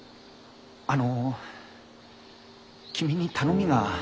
あの君に頼みが。